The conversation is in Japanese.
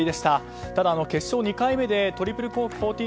ただ、決勝２回目でトリプルコーク１４４０